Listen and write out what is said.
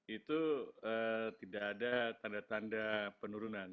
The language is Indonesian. itu tidak ada tanda tanda penurunan